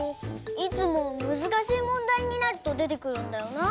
いつもむずかしいもんだいになるとでてくるんだよな。